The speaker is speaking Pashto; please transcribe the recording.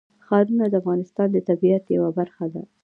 ښارونه د افغانستان د طبیعت یوه برخه ده.